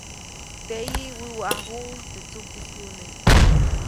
Teʼyi, wäwäʼajuŋ teʼ tsujkis ʼyune.